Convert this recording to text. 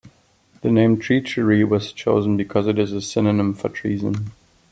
The name treachery was chosen because it is a synonym for treason.